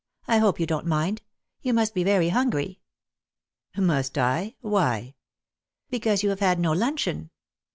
I hope you don't mind. You must be very hungry." "Must I? Why?" " Because you have had no luncheon."